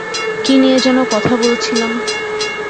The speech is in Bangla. কী নিয়ে যেনো কথা বলছিলাম?